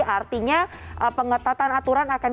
artinya pengetatan aturan